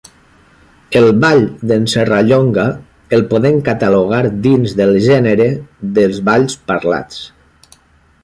El Ball d'en Serrallonga el podem catalogar dins el gènere dels Balls parlats.